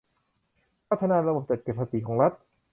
พัฒนาระบบจัดเก็บภาษีของรัฐ